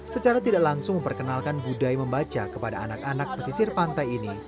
secara tidak langsung memperkenalkan budaya membaca kepada anak anak pesisir pantai ini